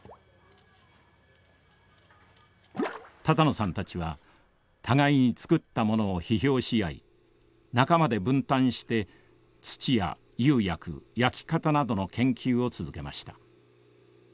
多々納さんたちは互いに作ったものを批評し合い仲間で分担して土や釉薬焼き方などの研究を続けました。